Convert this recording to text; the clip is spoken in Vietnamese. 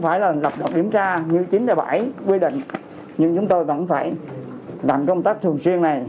phải là lập động kiểm tra như chín mươi bảy quy định nhưng chúng tôi vẫn phải làm công tác thường xuyên này